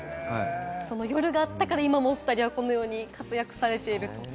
その夜があったから今もおふたりはこのように活躍されている？